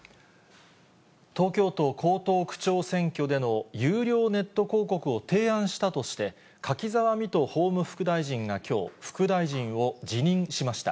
東京都江東区長選挙での有料ネット広告を提案したとして、柿沢未途法務副大臣が、きょう、副大臣を辞任しました。